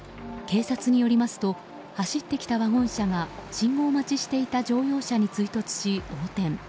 警察によりますと走ってきたワゴン車が信号待ちしていた乗用車に追突し、横転。